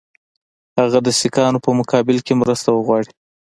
هغه د سیکهانو په مقابل کې مرسته وغواړي.